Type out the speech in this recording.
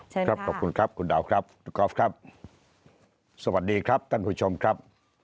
เชิญนะคะคุณดาวน์ครับดูกรอฟครับสวัสดีครับท่านผู้ชมครับ